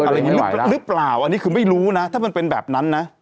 อะไรอย่างนี้หรือเปล่าอันนี้คือไม่รู้นะถ้ามันเป็นแบบนั้นนะ